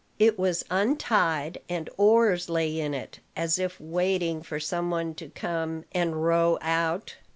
It was untied, and oars lay in it, as if waiting for some one to come and row out.